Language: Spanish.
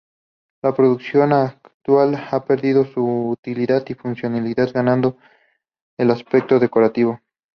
La producción actual ha perdido su utilidad y funcionalidad ganando en el aspecto decorativo.